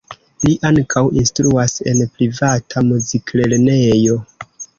Li ankaŭ instruas en privata muziklernejo.